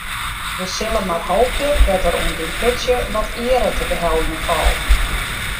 We sille mar hoopje dat der oan dit putsje wat eare te beheljen falt.